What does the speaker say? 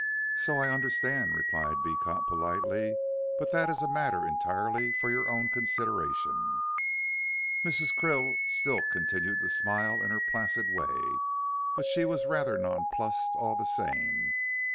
"So I understand," replied Beecot, politely, "but that is a matter entirely for your own consideration." Mrs. Krill still continued to smile in her placid way, but she was rather nonplussed all the same.